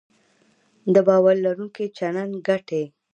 د باور لرونکي چلند ګټې